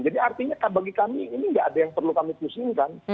jadi artinya bagi kami ini nggak ada yang perlu kami pusingkan